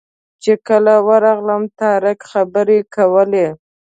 چې کله ورغلم طارق خبرې کولې.